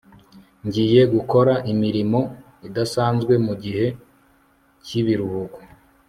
ngiye gukora imirimo idasanzwe mugihe cyibiruhuko